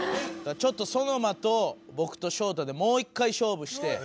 ちょっとソノマとぼくとショウタでもう一回勝負して。